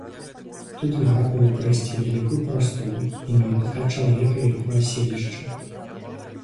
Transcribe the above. Тут льга было прайсці вялікую прастору і не напаткаць чалавека і яго аселішча.